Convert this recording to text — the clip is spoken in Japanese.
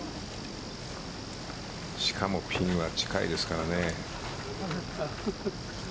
しかもピンは近いですからね。